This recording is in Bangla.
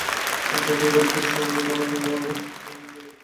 তাঁদের ঘরে পুরুষমানুষের এই মরণের আগুন আমিই নেবালুম এই ছিল তাঁর ধারণা।